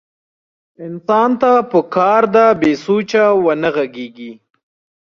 انسان ته پکار ده بې سوچه ونه غږېږي.